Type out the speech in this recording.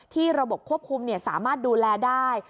ระบบควบคุมสามารถดูแลได้